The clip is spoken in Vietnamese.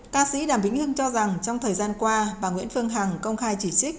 ca sĩ đàm vĩnh hưng cho rằng trong thời gian qua bà nguyễn phương hằng công khai chỉ trích